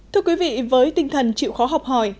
thưa quý vị với tinh thần chịu khó học hỏi